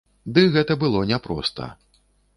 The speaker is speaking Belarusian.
Ды гэта было не проста.